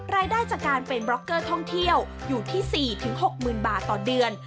รายได้จากการเป็นบล็อกเกอร์ท่องเที่ยวอยู่ที่๔๖๐๐๐บาทต่อเดือน